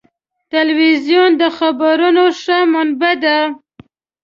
تلویزیون د خبرونو ښه منبع ده.